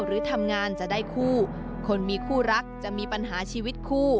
หรือทำงานจะได้คู่คนมีคู่รักจะมีปัญหาชีวิตคู่